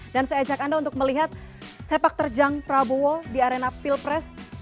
dan saya ajak anda untuk melihat sepak terjang prabowo di arena pilpres